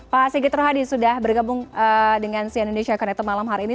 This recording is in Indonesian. pak sigit rohadi sudah bergabung dengan cn indonesia connected malam hari ini